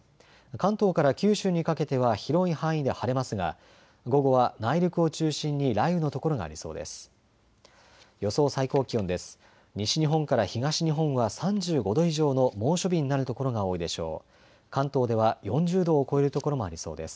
関東から九州にかけては広い範囲で晴れますが、午後は内陸を中心に雷雨の所がありそうです。